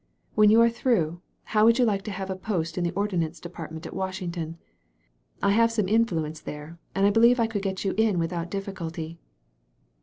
When you are through, how would you like to have a post in the Ordnance Depart ment at Washington? I have some influence there and believe I could get you in without difficulty."